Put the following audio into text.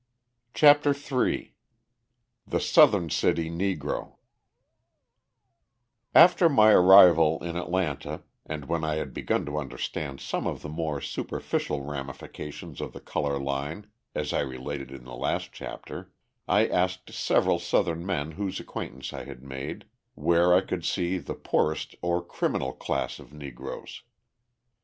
CHAPTER III THE SOUTHERN CITY NEGRO After my arrival in Atlanta, and when I had begun to understand some of the more superficial ramifications of the colour line (as I related in the last chapter,) I asked several Southern men whose acquaintance I had made where I could best see the poorer or criminal class of Negroes.